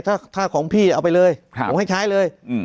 ถ้าของพี่เอาไปเลยผมให้ใช้เลย